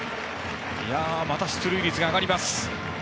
また出塁率が上がります。